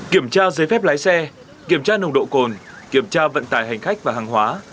kiểm tra giấy phép lái xe kiểm tra nồng độ cồn kiểm tra vận tải hành khách và hàng hóa